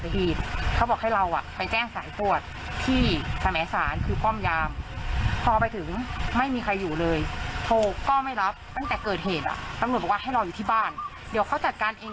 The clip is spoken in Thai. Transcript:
ตำรวจบอกว่าให้รออยู่ที่บ้านเดี๋ยวเขาจัดการเอง